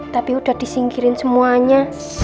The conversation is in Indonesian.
tapi udah disingkirin semuanya